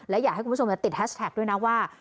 และอยากให้คุณผู้ชมติดแฮชแท็กด้วยนะว่า